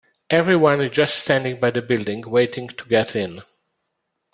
Everyone is just standing by the building, waiting to get in.